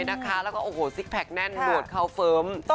แล้วก็โอ้โหซิกแพคแน่นหนวดเขาเฟิร์ม